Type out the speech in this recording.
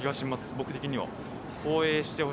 僕的には。